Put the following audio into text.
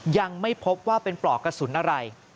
ยังไม่พบว่าเป็นปลอกกระสุนอะไร